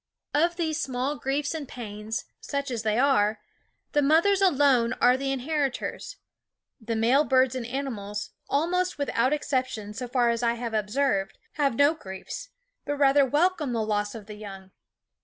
Of these small griefs and pains, such as they are, the mothers alone are the inheritors. The male birds and animals, almost without exception so far as I have observed, have no griefs, but rather welcome the loss of the young.